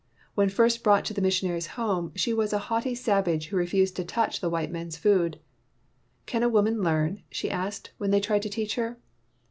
When first brought to the missionaries' home, she was a haughty savage who refused to touch the white men's food. "Can a woman learn 1 ?" she asked, when they tried to teach her.